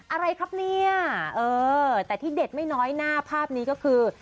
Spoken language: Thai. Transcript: อะไรครับเนี่ยเออแต่ที่เด็ดไม่น้อยหน้าภาพนี้ก็คือ